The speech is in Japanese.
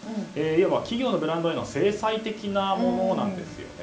いわば企業のブランドへの制裁的なものなんですね。